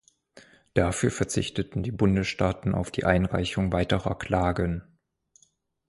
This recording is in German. Dafür verzichteten die Bundesstaaten auf die Einreichung weiterer Klagen.